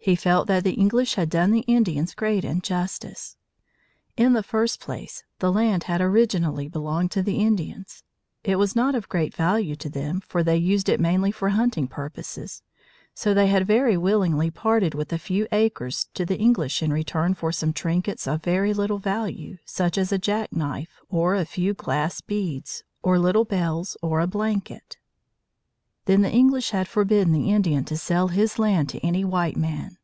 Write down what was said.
He felt that the English had done the Indians great injustice. In the first place, the land had originally belonged to the Indians. It was not of great value to them, for they used it mainly for hunting purposes. So they had very willingly parted with a few acres to the English in return for some trinkets of very little value such as a jack knife, or a few glass beads, or little bells, or a blanket. Then the English had forbidden the Indian to sell his land to any white man.